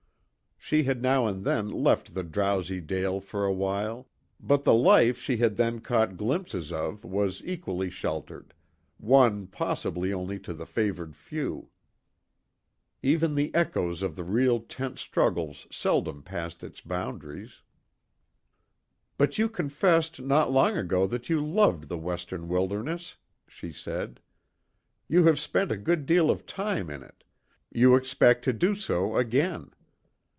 She had now and then left the drowsy dale for a while; but the life she had then caught glimpses of was equally sheltered, one possible only to the favoured few. Even the echoes of the real tense struggle seldom passed its boundaries. "But you confessed not long ago that you loved the Western wilderness," she said. "You have spent a good deal of time in it; you expect to do so again.